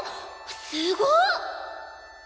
すごっ！